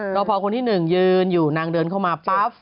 รอพอคนที่หนึ่งยืนอยู่นางเดินเข้ามาปั๊บ